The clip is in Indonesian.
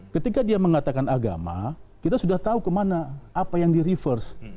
ketika dia mengatakan agama kita sudah tahu kemana apa yang di reverse